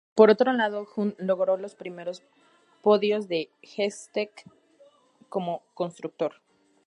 Por otro lado, Hunt logró los primeros podios de Hesketh como constructor.